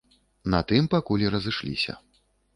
На тым пакуль і разышліся.